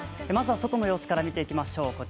まずは外の様子から見ていきましょう。